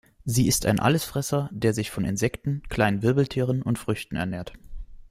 Sie ist ein Allesfresser, der sich von Insekten, kleinen Wirbeltieren und Früchten ernährt.